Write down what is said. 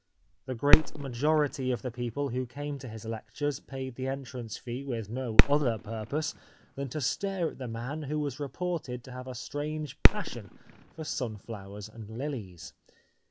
The great majority of the people who came to his lectures paid the en trance fee with no other purpose than to stare at the man who was reported to have a strange passion for sunflowers and lilies.